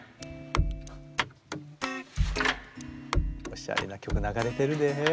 おしゃれな曲流れてるで。